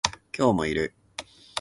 今日もいる